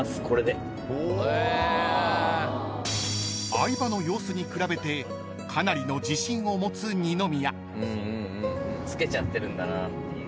［相葉の様子に比べてかなりの自信を持つ二宮］